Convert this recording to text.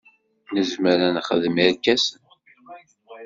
Nezmer ad nexdem irkasen.